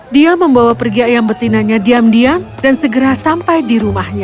dia membawa pergi ayam betinanya diam diam dan segera sampai di rumahnya